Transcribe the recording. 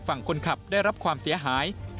ฝั่งคนขับได้รับความเสียหาย